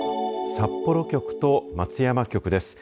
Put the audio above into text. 札幌局と松山局です。